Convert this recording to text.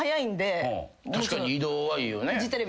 確かに移動はいいよね。